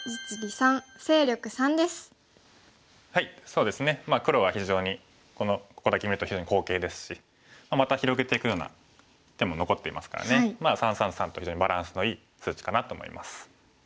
そうですね黒は非常にここだけ見ると非常に好形ですしまた広げていくような手も残っていますからね３３３と非常にバランスのいい数値かなと思います。